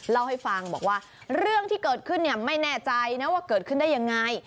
เล่าให้ฟังบอกว่าเรื่องที่เกิดขึ้นเนี่ยไม่แน่ใจนะว่าเกิดขึ้นได้ยังไง